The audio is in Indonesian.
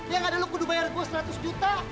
ya nggak ada lo kudu bayar gue seratus juta